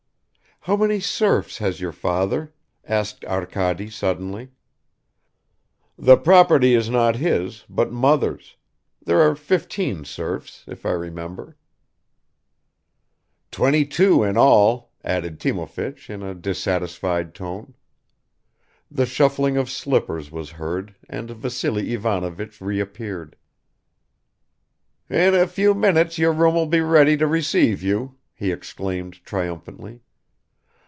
"How many serfs has your father?" asked Arkady suddenly. "The property is not his, but mother's; there are fifteen serfs, if I remember." "Twenty two in all," added Timofeich in a dissatisfied tone. The shuffling of slippers was heard and Vassily Ivanovich reappeared. "In a few minutes your room will be ready to receive you," he exclaimed triumphantly.